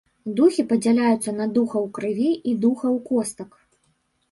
Духі падзяляюцца на духаў крыві і духаў костак.